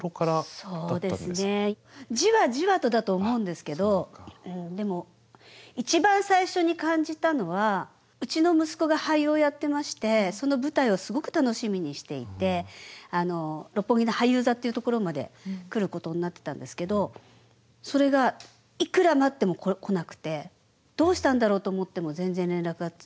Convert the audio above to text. そうですねじわじわとだと思うんですけどでも一番最初に感じたのはうちの息子が俳優をやってましてその舞台をすごく楽しみにしていて六本木の俳優座っていうところまで来ることになってたんですけどそれがいくら待っても来なくて「どうしたんだろう？」と思っても全然連絡が取れず。